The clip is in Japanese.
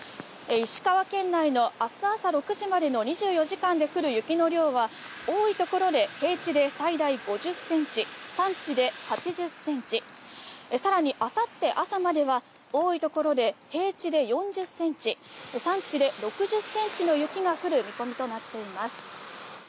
石川県内の明日朝６時までの２４時間で降る雪の量は多い所で平地で最大５０センチ、山地で８０センチ、さらに明後日の朝までは多い所で平地で４０センチ、山地で６０センチの雪が降るものとなっています。